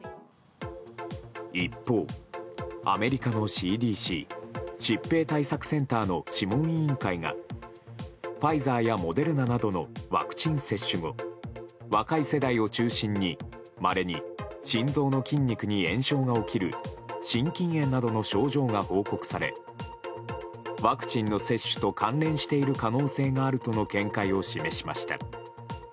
一方、アメリカのＣＤＣ・疾病対策センターの諮問委員会がファイザーやモデルナなどのワクチン接種後若い世代を中心にまれに心臓の筋肉に炎症が起きる心筋炎などの症状が報告されワクチンの接種と関連している可能性があるとの見解を示しました。